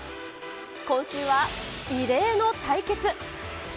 今週は異例の対決。